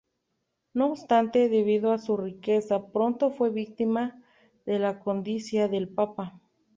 No obstante, debido a su riqueza pronto fue víctima de la codicia del papa.